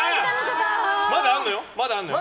まだあるのよ。